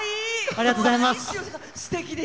ありがとうございます。